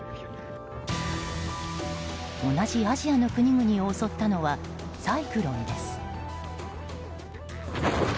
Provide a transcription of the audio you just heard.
同じアジアの国々を襲ったのはサイクロンです。